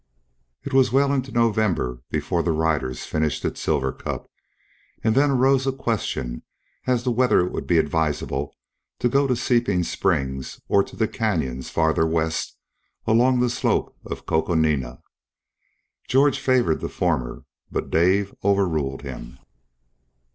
It was well into November before the riders finished at Silver Cup, and then arose a question as to whether it would be advisable to go to Seeping Springs or to the canyons farther west along the slope of Coconina. George favored the former, but Dave overruled him.